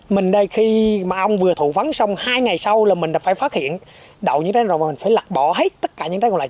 mình đây khi mà ông vừa thụ phấn xong hai ngày sau là mình phải phát hiện đậu những trái này rồi mình phải lặt bỏ hết tất cả những trái còn lại